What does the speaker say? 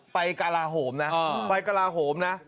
ไปกระโหมนะ